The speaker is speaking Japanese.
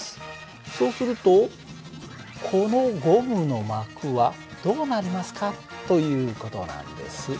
そうするとこのゴムの膜はどうなりますかという事なんです。